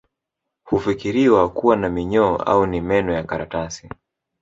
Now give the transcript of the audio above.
Hufikiriwa kuwa na minyoo au ni meno ya karatasi